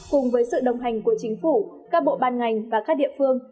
cùng với sự đồng hành của chính phủ các bộ ban ngành và các địa phương